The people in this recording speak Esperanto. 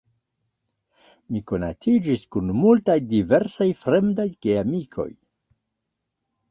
Mi konatiĝis kun multaj diversaj fremdaj geamikoj.